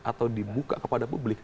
atau dibuka kepada publik